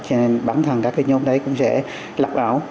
cho nên bản thân các cái nhóm đấy cũng sẽ lọc ảo